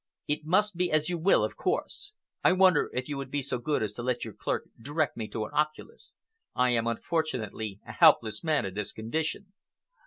"It must be as you will, of course. I wonder if you would be so good as to let your clerk direct me to an oculist? I am, unfortunately, a helpless man in this condition."